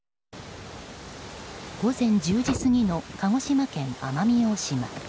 午前１０時過ぎの鹿児島県奄美大島。